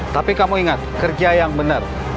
tapi kamu ingat kerja yang benar